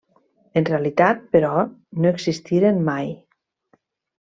En realitat, però, no existiren mai.